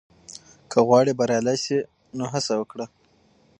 که غواړې بریالی شې، نو هڅه وکړه.